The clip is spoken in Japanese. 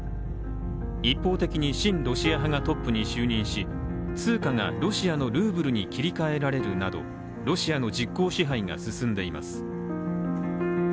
一方的に親ロシア派がトップに就任し、通貨がロシアのルーブルに切り替えられるなど、ロシアの実効支配が進んでいます。